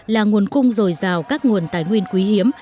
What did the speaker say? là nguồn cung rồi rào các nguồn tài nguyên quý hiếm